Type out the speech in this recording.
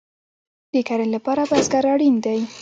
د کرنې لپاره بزګر اړین دی